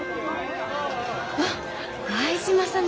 あっ相島様。